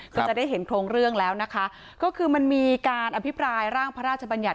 ก็จะได้เห็นโครงเรื่องแล้วนะคะก็คือมันมีการอภิปรายร่างพระราชบัญญัติ